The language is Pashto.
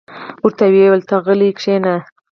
ورته ویې ویل: ته غلې کېنه.